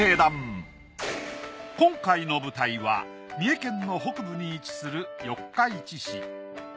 今回の舞台は三重県の北部に位置する四日市市。